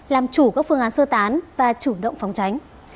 làm chủ các phương án sơ tán và chủ động phòng tránh